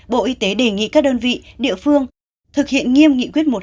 bộ y tế đề nghị các đơn vị địa phương thực hiện nghiêm nghị quyết một trăm hai mươi tám